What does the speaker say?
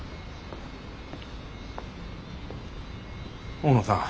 大野さん